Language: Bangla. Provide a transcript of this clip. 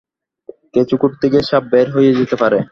কেঁচো খুড়তে গিয়ে সাপও বের হয়ে যেতে পারে।